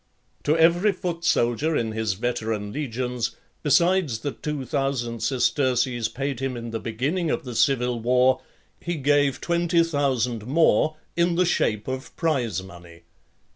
XXXVIII. To every foot soldier in his veteran legions, besides the two thousand sesterces paid him in the beginning of the civil war, he gave twenty thousand more, in the shape of prize money.